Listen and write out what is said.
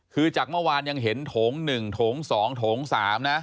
คือจากเมื่อวานยังเห็นโถง๑โถง๒โถง๓นะ